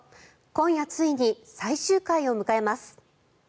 今夜、ついに最終回を迎えます。